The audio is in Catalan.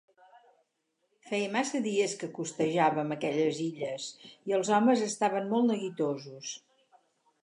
Feia massa dies que costejàvem aquelles illes i els homes estaven molt neguitosos.